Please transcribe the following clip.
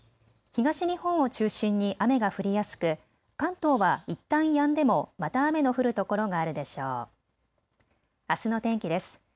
東日本を中心に雨が降りやすく関東はいったんやんでもまた雨の降る所があるでしょう。